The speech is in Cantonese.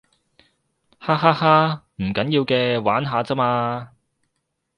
哈哈哈，唔緊要嘅，玩下咋嘛